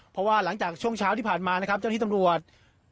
เพราะว่าหลังจากช่วงเช้าที่ผ่านมานะครับเจ้าที่ตำรวจ